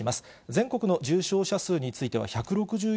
全国の重症者数については１６４人。